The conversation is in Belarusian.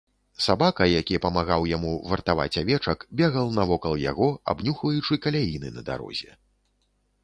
Сабака, які памагаў яму вартаваць авечак, бегаў навокал яго, абнюхваючы каляіны на дарозе.